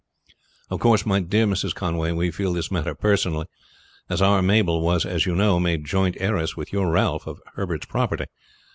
"Of course, my dear Mrs. Conway, we feel this matter personally, as our Mabel was as you know made joint heiress with your Ralph of Herbert's property.